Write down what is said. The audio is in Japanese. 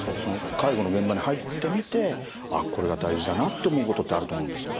介護の現場に入ってみてあこれが大事だなって思うことってあると思うんですけど。